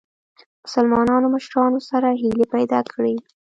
مسلمانو مشرانو سره هیلي پیدا کړې.